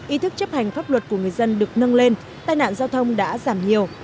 ý thức chấp hành pháp luật của người dân được nâng lên tai nạn giao thông đã giảm nhiều